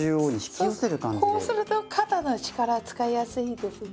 こうすると肩の力使いやすいですね。